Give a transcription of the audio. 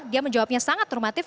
dia menjawabnya sangat normatif